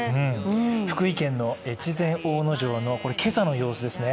福井県の越前大野城の今朝の様子ですね。